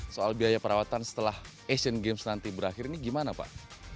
soal biaya perawatan setelah asian games nanti berakhir ini gimana pak